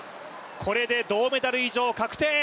これで銅メダル以上確定。